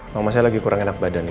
mama saya lagi kurang enak badan